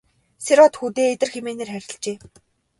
Сэр-Од хүүдээ Идэр хэмээн нэр хайрлажээ.